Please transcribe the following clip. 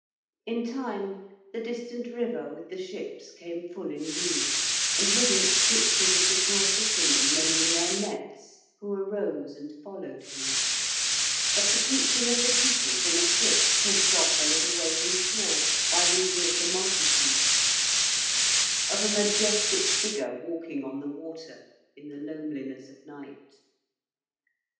In time, the distant river with the ships came full in view, and with it pictures of the poor fishermen, mending their nets, who arose and followed him, of the teaching of the people from a ship pushed off a little way from shore, by reason of the multitude, of a majestic figure walking on the water, in the loneliness of night.